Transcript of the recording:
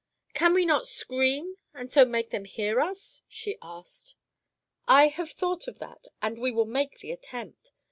"Can we not scream, and so make them hear us?" she asked. "I have thought of that and we will make the attempt.